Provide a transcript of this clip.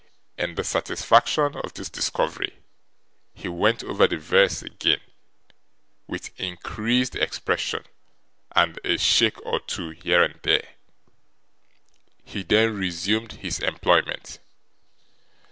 In the satisfaction of this discovery, he went over the verse again, with increased expression, and a shake or two here and there. He then resumed his employment.